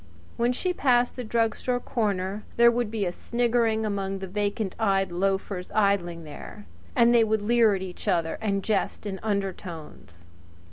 When she passed the drug store corner there would be a sniggering among the vacant eyed loafers idling there, and they would leer at each other and jest in undertones.